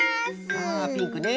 ああピンクね。